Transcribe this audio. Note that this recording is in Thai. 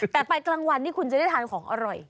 แต่ไปกลางวันนี้คุณจะได้ทานของอร่อย